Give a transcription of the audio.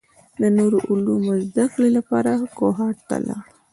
د نورو علومو زده کړې لپاره کوهاټ ته لاړ.